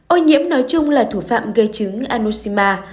ôi nhiễm nói chung là thủ phạm gây chứng anosema